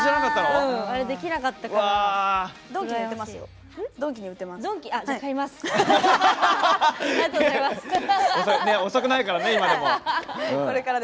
あれできなかったから。